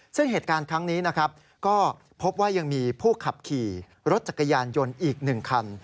ซึ่งเหตุการณ์ครั้งนี้นะครับก็พบว่ายังมีผู้ขับขี่รถจักรยานยนต์อีก๑คัน